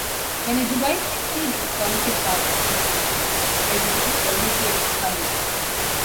When a device exceeds its permitted power consumption, there will be a leakage current.